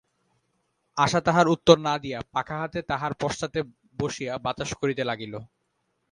আশা তাহার উত্তর না দিয়া পাখা-হাতে তাঁহার পশ্চাতে বসিয়া বাতাস করিতে লাগিল।